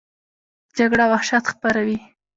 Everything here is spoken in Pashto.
جګړه وحشت خپروي